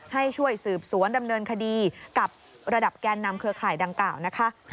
ให้ช่วยสืบสวนดำเนินคดีกับระดับแกนนำเครือข่ายดังกล่าวนะคะ